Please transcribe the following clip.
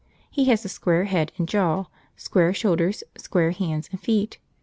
He has a square head and jaw, square shoulders, square hands and feet.